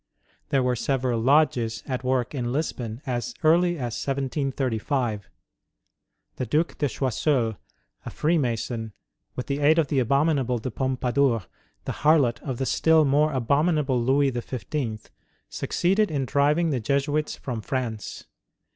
There were several lodges at work in Lisbon as early as 17;)5. The Duke de Choiseul, a Freemason, with the aid of the abominable de Pompadour, the harlot of the still more abominable Louis XV., succeeded in driving the Jesuits from France.